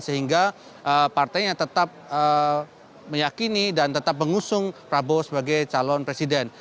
sehingga partainya tetap meyakini dan tetap mengusung prabowo sebagai calon presiden